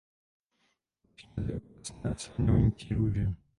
Patří mezi okrasné a silně vonící růže.